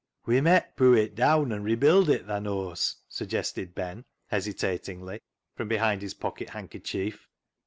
" We met poo' it daan, an' rebuild it, thaa knaws," suggested Ben hesitatingly, from behind his pocket handkerchief.